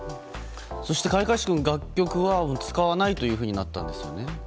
そして開会式の楽曲は使わないとなったんですよね。